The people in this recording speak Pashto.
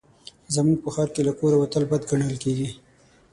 زموږ په ښار کې له کوره وتل بد ګڼل کېږي